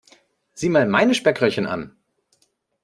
Sieh mal meine Speckröllchen an.